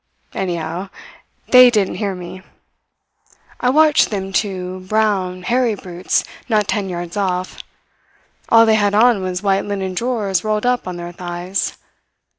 Anyhow, they didn't hear me. I watched them two brown, hairy brutes not ten yards off. All they had on was white linen drawers rolled up on their thighs.